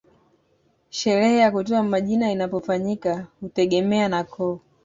Sherehe ya kutoa majina inapofanyika hutegemea na koo